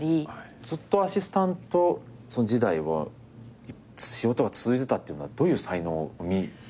ずっとアシスタント時代は仕事が続いてたっていうのはどういう才能を見いだされてたんですか？